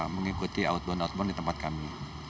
mengikuti outbound outbound di tempat kami